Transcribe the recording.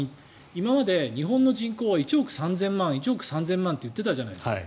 今まで、日本の人口は１億３０００万って言ってたじゃないですか。